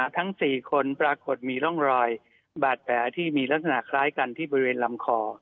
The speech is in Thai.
ทั้ง๔คนปรากฏมีร่องรอยบาดแผลที่มีลักษณะคล้ายกันที่บริเวณลำคอ